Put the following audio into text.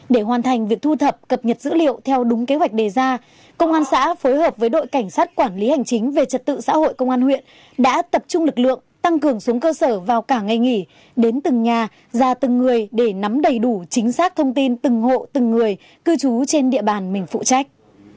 để hoàn thành việc thu thập cập nhật dữ liệu theo đúng kế hoạch đề ra công an xã phối hợp với đội cảnh sát quản lý hành chính về trật tự xã hội công an huyện đã tập trung lực lượng tăng cường xuống cơ sở vào cả ngày nghỉ đến từng nhà ra từng người để nắm đầy đủ chính xác thông tin từng hộ từng người cư trú trên địa bàn mình phụ trách